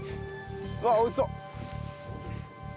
うわっ美味しそう。